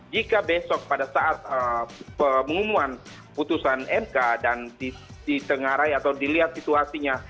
jika besok pada saat pengumuman putusan mk dan ditengarai atau dilihat situasinya